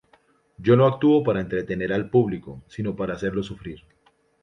Yo no actúo para entretener al público, sino para hacerlo sufrir.